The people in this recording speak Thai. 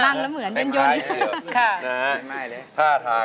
พันธุ์นี้เช่นอยู่